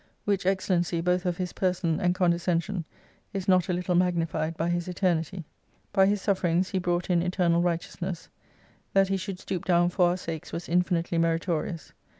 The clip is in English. Which excellency both of His person and condescention is not a little magnified by His Eter nity. By His sufferings He brought in eternal right eousness. That He should stoop down for our sakes was infinitely meritorious.